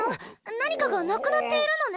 何かがなくなっているのね？